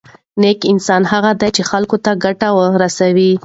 نېک انسان هغه دی چې خلکو ته ګټه رسوي.